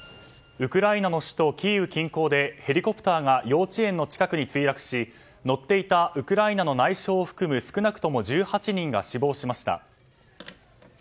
ウクライナの首都キーウ近郊でヘリコプターが幼稚園の近くに墜落し乗っていたウクライナの内相を含む少なくとも１８人が死亡しました。